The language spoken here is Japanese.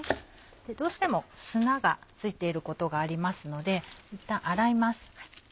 どうしても砂が付いていることがありますのでいったん洗います。